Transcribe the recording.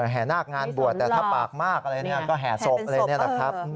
แหนากงานบวชแต่ถ้าปากมากอะไรก็แหสกเลยนะครับ